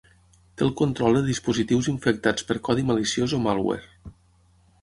Té el control de dispositius infectats per codi maliciós o malware.